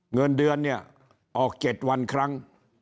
เงินเดือนเนี่ยออก๗วันครั้ง